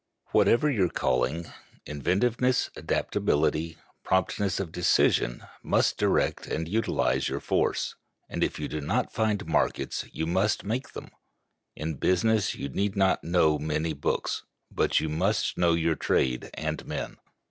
Whatever your calling, inventiveness, adaptability, promptness of decision, must direct and utilize your force, and if you do not find markets you must make them. In business you need not know many books, but you must know your trade and men.